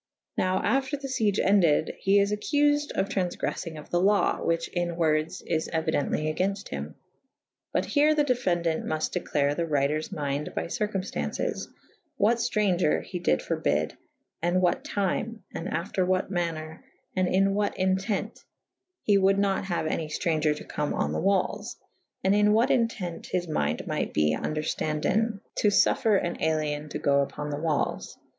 Now after the fiege ended he is accufed for trawfgreffyng of the lawe / which in wordes is eui dently againft him. But here the defendaunt muft declare the wryters mynde by circumftaunces / what ftraunger he dyd forbyd / and what tyme / and after what maner / and in what intent [F i b] he wolde nat haue any ftraunger to come on the walles /& in what intent his mynde might be vnderftanden to fuffre an alien to go vpon the walles.